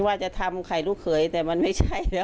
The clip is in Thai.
ว่าจะทำไข่ลูกเขยแต่มันไม่ใช่นะ